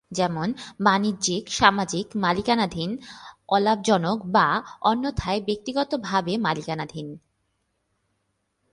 যেমন বাণিজ্যিক, সামাজিক মালিকানাধীন, অলাভজনক, বা অন্যথায় ব্যক্তিগতভাবে মালিকানাধীন।